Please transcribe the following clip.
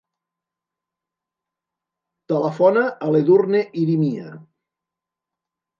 Telefona a l'Edurne Irimia.